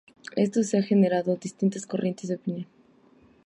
Esto ha generado distintas corrientes de opinión.